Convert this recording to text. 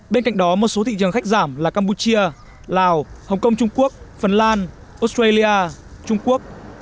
bên cạnh đó một số thị trường khách giảm là campuchia lào hồng kông trung quốc phần lan australia trung quốc